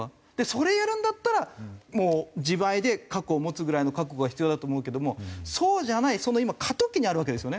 それやるんだったらもう自前で核を持つぐらいの覚悟が必要だと思うけどもそうじゃない今過渡期にあるわけですよね。